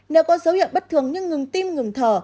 nếu có dấu hiệu bất thường nhưng ngừng tim ngừng thở